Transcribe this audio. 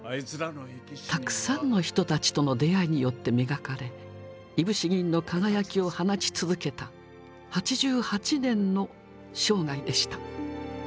たくさんの人たちとの出会いによって磨かれいぶし銀の輝きを放ち続けた８８年の生涯でした。